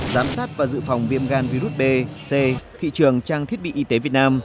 giám sát và dự phòng viêm gan virus b c thị trường trang thiết bị y tế việt nam